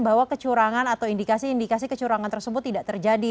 bahwa kecurangan atau indikasi indikasi kecurangan tersebut tidak terjadi